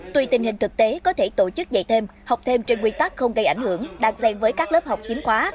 tuy tình hình thực tế có thể tổ chức dạy thêm học thêm trên quy tắc không gây ảnh hưởng đan xen với các lớp học chính khóa